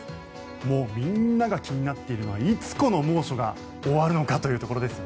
もうみんなが気になっているのはいつ、この猛暑が終わるのかというところです。